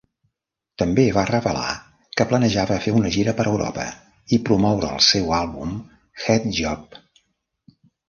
També va revelar que planejava fer una gira per Europa i promoure el seu àlbum "Head Job".